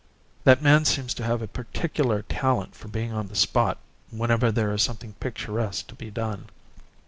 That man seems to have a particular talent for being on the spot whenever there is something picturesque to be done.